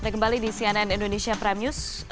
anda kembali di cnn indonesia prime news